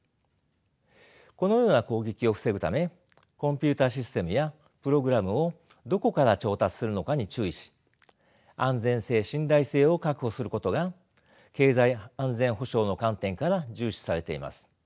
このような攻撃を防ぐためコンピューターシステムやプログラムをどこから調達するのかに注意し安全性信頼性を確保することが経済安全保障の観点から重視されています。